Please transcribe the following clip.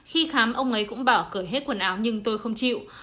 khi khám ông ấy cũng bảo cửa hết quần áo nhưng tôi không chịu